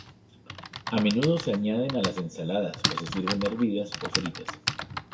A menudo se añaden a las ensaladas o se sirven hervidas o fritas.